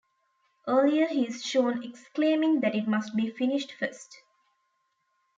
Earlier he is shown exclaiming that it must be finished first!